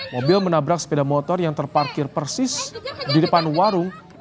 mobil menabrak sepeda motor yang terparkir persis di depan warung